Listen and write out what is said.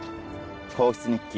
『皇室日記』